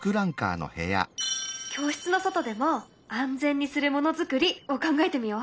教室の外でも安全にするものづくりを考えてみよう。